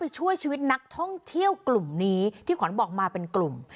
ช่วยชีวิตนักท่องเที่ยวกลุ่มนี้ที่ขวัญบอกมาเป็นกลุ่ม